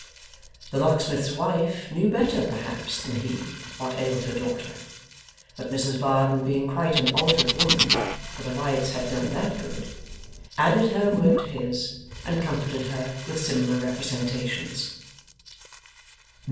The locksmith's wife knew better perhaps, than he, what ailed her daughter. But Mrs Varden being quite an altered woman for the riots had done that good added her word to his, and comforted her with similar representations.